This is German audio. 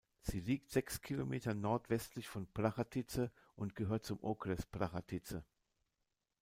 Sie liegt sechs Kilometer nordwestlich von Prachatice und gehört zum Okres Prachatice.